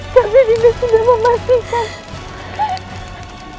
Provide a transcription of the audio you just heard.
tapi dina sudah memastikan